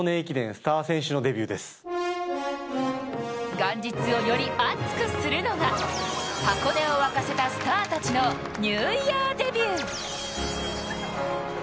元日をより熱くするのが箱根を沸かせたスターたちのニューイヤーデビュー。